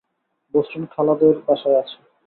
বোস্টনে খালাদের বাসায় আছে।